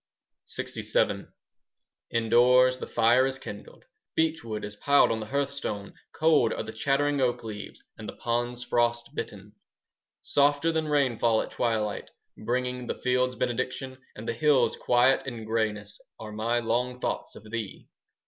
20 LXVII Indoors the fire is kindled; Beechwood is piled on the hearthstone; Cold are the chattering oak leaves; And the ponds frost bitten. Softer than rainfall at twilight, 5 Bringing the fields benediction And the hills quiet and greyness, Are my long thoughts of thee.